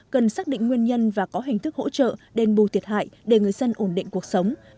cần xác định nguyên nhân và có hình thức hỗ trợ đền bù thiệt hại để người dân ổn định cuộc sống